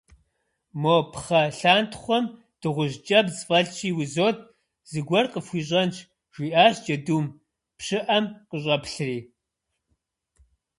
- Мо пхъэлъантхъуэм дыгъужь кӏэбдз фӏэлъщи, узот, зыгуэр къыфхуищӏэнщ, - жиӏащ джэдум, пщыӏэм къыщӏэплъри.